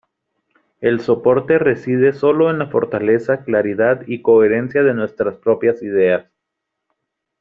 El soporte reside sólo en la fortaleza, claridad y coherencia de nuestras propias ideas.